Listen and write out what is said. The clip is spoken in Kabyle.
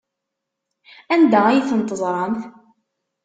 Anda ay ten-terẓamt?